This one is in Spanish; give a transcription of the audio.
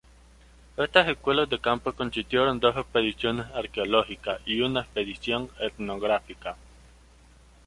Estas escuelas de campo consistieron en dos expediciones arqueológicas y una expedición etnográfica.